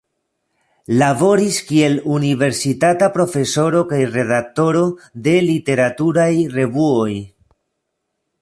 Laboris kiel universitata profesoro kaj redaktoro de literaturaj revuoj.